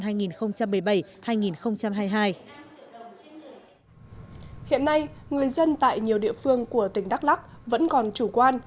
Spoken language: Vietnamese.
hiện nay người dân tại nhiều địa phương của tỉnh đắk lắc vẫn còn chủ quan